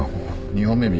２本目右。